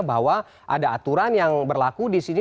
bahwa ada aturan yang berlaku di sini